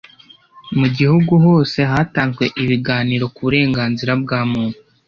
mu gihugu hose hatanzwe ibiganiro k’ uburenganzira bwa muntu.